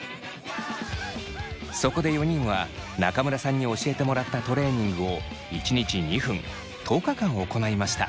そこで４人は中村さんに教えてもらったトレーニングを１日２分１０日間行いました。